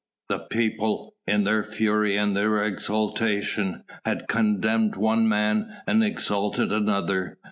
The people, in their fury and their exultation, had condemned one man and exalted another.